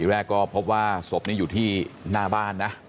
แรกก็พบว่าศพนี้อยู่ที่หน้าบ้านนะ